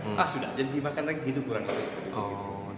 nah sudah jadi makan lagi itu kurang